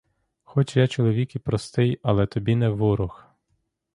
Хоч я чоловік і простий, але я тобі не ворог.